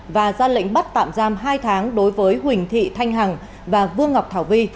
và ra lệnh bắt tạm giam hai tháng đối với huỳnh thị thanh hằng và vương ngọc thảo vi